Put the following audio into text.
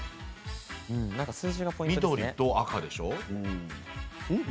緑と赤でしょう？